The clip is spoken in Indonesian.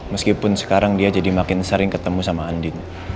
meskipun sekarang dia jadi makin sering ketemu sama andin